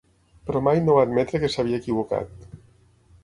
Però mai no va admetre que s'havia equivocat.